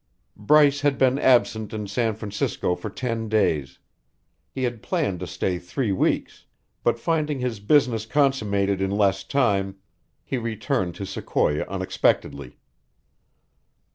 Bryce had been absent in San Francisco for ten days. He had planned to stay three weeks, but finding his business consummated in less time, he returned to Sequoia unexpectedly.